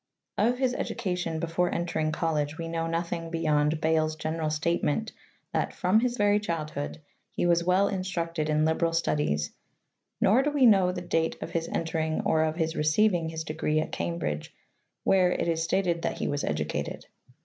Of his edu Education. .,,■.,,,,., tion before entermg college we know nothing beyond Bale's general statement that "from his very childhood he was well instructed in liberal studies," nor do we know the date of his enter ing or of his receiving his degree at Cambridge, where it is stated that he was educated.''